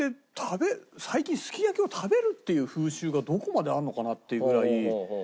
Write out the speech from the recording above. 最近すき焼きを食べるっていう風習がどこまであるのかなっていうぐらい。